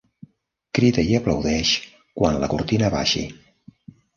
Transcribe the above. Crida i aplaudeix quan la cortina baixi.